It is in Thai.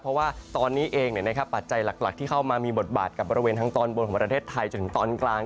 เพราะว่าตอนนี้เองปัจจัยหลักที่เข้ามามีบทบาทกับบริเวณทางตอนบนของประเทศไทยจนถึงตอนกลาง